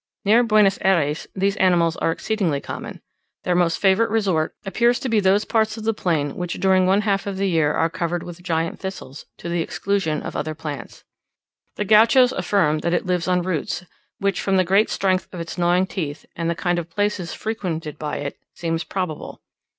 Near Buenos Ayres these animals are exceedingly common. Their most favourite resort appears to be those parts of the plain which during one half of the year are covered with giant thistles, to the exclusion of other plants. The Gauchos affirm that it lives on roots; which, from the great strength of its gnawing teeth, and the kind of places frequented by it, seems probable.